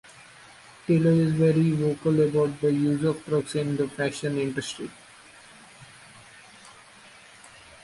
Taylor is very vocal about the use of drugs in the fashion industry.